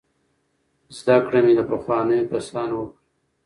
زده کړه مې له پخوانیو کسانو وکړه.